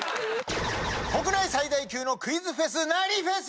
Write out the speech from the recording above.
国内最大級のクイズフェス何フェス！